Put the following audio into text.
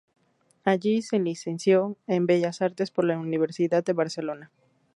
Allí se licenció en "Bellas Artes por la Universidad de Barcelona".